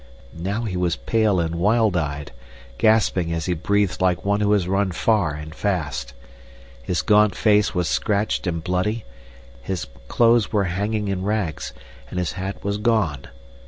Now he was pale and wild eyed, gasping as he breathed like one who has run far and fast. His gaunt face was scratched and bloody, his clothes were hanging in rags, and his hat was gone.